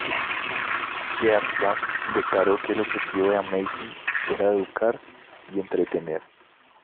Gernsback declaró que el objetivo de "Amazing" era educar y entretener.